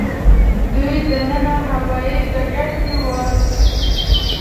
دوی دننه هوايي ډګر کې وو.